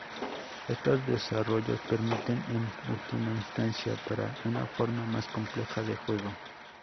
Estos desarrollos permiten en última instancia, para una forma más compleja de juego.